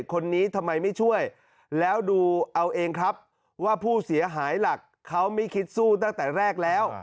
คนนี้ทำไมไม่ช่วยแล้วดูเอาเองครับว่าผู้เสียหายหลักเขาไม่คิดสู้ตั้งแต่แรกแล้ว